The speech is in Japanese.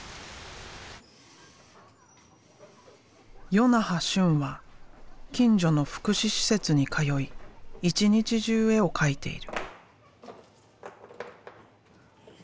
与那覇俊は近所の福祉施設に通い一日中絵を描いている。